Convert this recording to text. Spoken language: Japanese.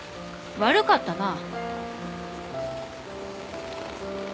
悪かったな。